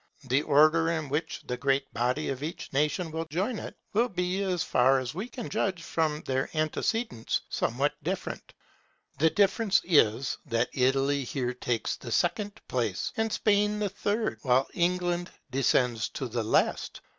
The order in which the great body of each nation will join it, will be, as far as we can judge from their antecedents, somewhat different. The difference is, that Italy here takes the second place, and Spain the third, while England descends to the last.